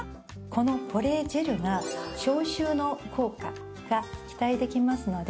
この保冷ジェルは消臭の効果が期待できますので。